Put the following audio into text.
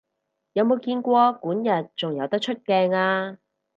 有冇見過管軼仲有得出鏡啊？